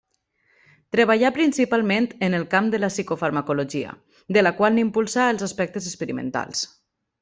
Treballà principalment en el camp de la psicofarmacologia, de la qual n'impulsà els aspectes experimentals.